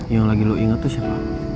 yang lagi lo inget tuh siapa